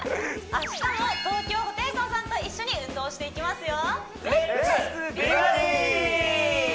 明日も東京ホテイソンさんと一緒に運動していきますよ